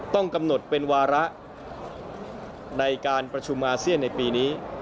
ต้องกำหนดเป็นวาระในการประชุมอาเซียนในปีนี้